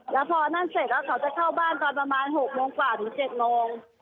แล้วพอนั่นเสร็จแล้วเขาจะเข้าบ้านตอนประมาณ๖โมงกว่าถึง๗โมง